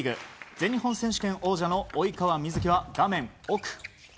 全日本選手権王者の及川瑞基は画面奥。